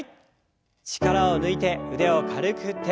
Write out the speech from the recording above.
力を抜いて腕を軽く振って。